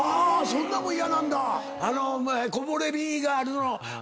そんなんも嫌なんだ。